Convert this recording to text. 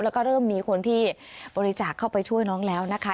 แล้วก็เริ่มมีคนที่บริจาคเข้าไปช่วยน้องแล้วนะคะ